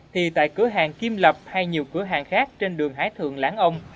thì tại cửa hàng kim lập hay nhiều cửa hàng khác trên đường hải thường lãng ông